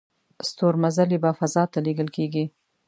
ستورمزلي په فضا ته لیږل کیږي